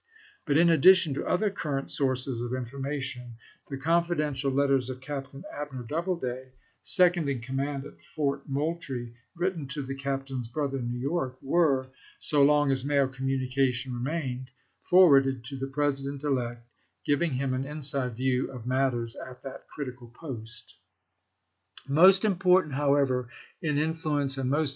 But in addition to other current sources of information the confidential letters of Captain Abner Double day, second in command at Fort Moultrie, written to the captain's brother in New York, were, so long as mail communication remained, forwarded to the President elect, giving him an inside view of matters at that critical post. Memoran da. MS. THE PRESIDENT ELECT 249 Most important, however, in influence, and most chap.